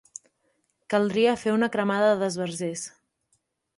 Caldria fer una cremada d'esbarzers.